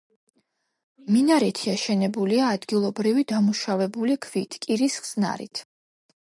მინარეთი აშენებულია ადგილობრივი დამუშავებული ქვით კირის ხსნარით.